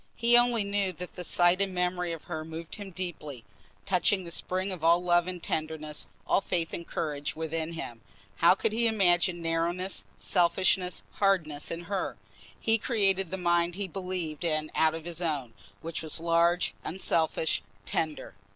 He only knew that the sight and memory of her moved him deeply, touching the spring of all love and tenderness, all faith and courage within him. How could he imagine narrowness, selfishness, hardness in her? He created the mind he believed in out of his own, which was large, unselfish, tender.